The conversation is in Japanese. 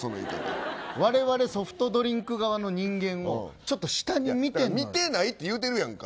我々ソフトドリンク側の人間を見てないって言うてるやんか。